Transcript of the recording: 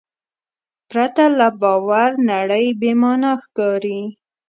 پرته له باور نړۍ بېمانا ښکاري.